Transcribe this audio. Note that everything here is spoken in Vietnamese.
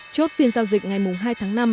chốt phiên giao dịch ngày hai tháng năm